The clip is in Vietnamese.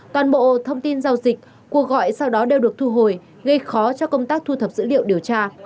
toàn bộ thông tin giao dịch cuộc gọi sau đó đều được thu hồi gây khó cho công tác thu thập dữ liệu điều tra